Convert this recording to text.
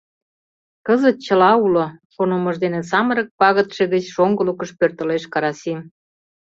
— Кызыт чыла уло... — шонымыж дене самырык пагытше гыч шоҥгылыкыш пӧртылеш Карасим.